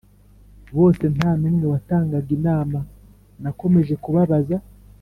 Bose nta n umwe watangaga inama nakomeje kubabaza